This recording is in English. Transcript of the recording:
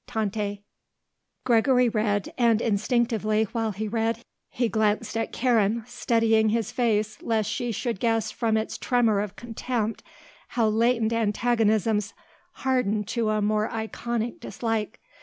"Tante." Gregory read, and instinctively, while he read, he glanced at Karen, steadying his face lest she should guess from its tremor of contempt how latent antagonisms hardened to a more ironic dislike.